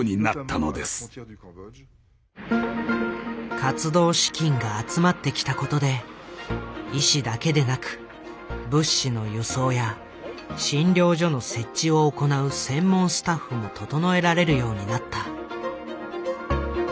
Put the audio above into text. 活動資金が集まってきたことで医師だけでなく物資の輸送や診療所の設置を行う専門スタッフもととのえられるようになった。